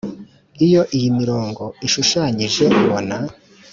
iyo iyi mirongo ishushanyije ubona,